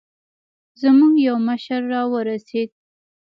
زموږ يو مشر راورسېد.